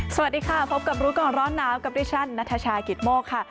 สวัสดีค่ะพบกับรู้ก่อนร้อนหนาวกับดิฉันนัทชายกิตโมกค่ะ